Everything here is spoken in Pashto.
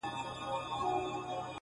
ستا په غېږ کي دوه ګلابه خزانېږي,